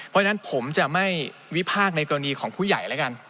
เพราะฉะนั้นผมจะไม่วิพากษ์ในกรณีของผู้ใหญ่แล้วกัน